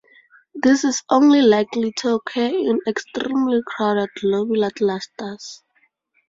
This is only likely to occur in extremely crowded globular clusters.